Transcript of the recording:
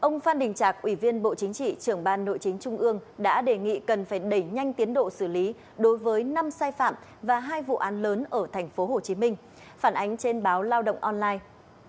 ông phan đình trạc ủy viên bộ chính trị trưởng ban nội chính trung ương đã đề nghị cần phải đẩy nhanh tiến độ xử lý đối với năm sai phạm và hai vụ án lớn ở tp hcm phản ánh trên báo lao động online